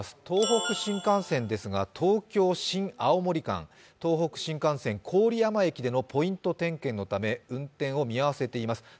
東北新幹線ですが東京ー新青森間東北新幹線・郡山駅でのポイント点検のため運転を見合わせています。